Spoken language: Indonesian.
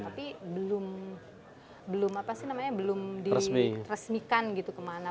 tapi belum belum apa sih namanya belum diresmikan gitu kemana